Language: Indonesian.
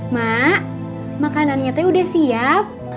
mak makanan nyatanya udah siap